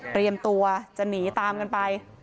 เตรียมตัวจะหนีตามกันไป